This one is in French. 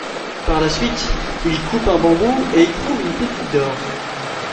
Par la suite, il coupe un bambou et y trouve une pépite d'or.